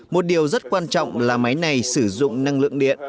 một điều rất quan trọng là máy này sử dụng năng lượng điện